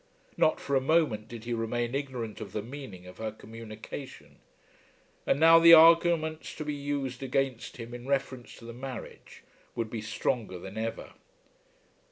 Not for a moment did he remain ignorant of the meaning of her communication. And now the arguments to be used against him in reference to the marriage would be stronger than ever.